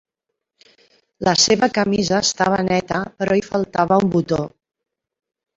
La seva camisa estava neta però hi faltava un botó.